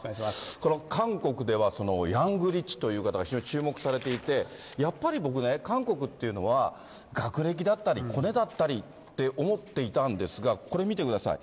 この韓国では、ヤングリッチという方が、非常に注目されていて、やっぱり僕ね、韓国というのは学歴だったり、コネだったりって思っていたんですが、これ見てください。